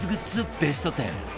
ベスト１０